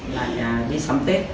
là đi sắm tết